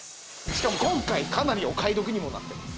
しかも今回かなりお買い得にもなってます